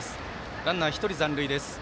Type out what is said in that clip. ランナー、１人残塁です。